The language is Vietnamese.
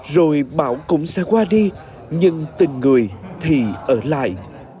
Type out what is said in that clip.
rồi bảo cũng sẽ qua đi nhưng tình người thì ở lại